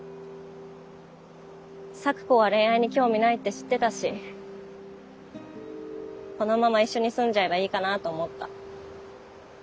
咲子は恋愛に興味ないって知ってたしこのまま一緒に住んじゃえばいいかなと思った。